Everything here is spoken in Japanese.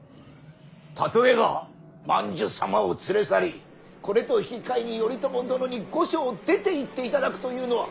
例えば万寿様を連れ去りこれと引き換えに頼朝殿に御所を出ていっていただくというのは。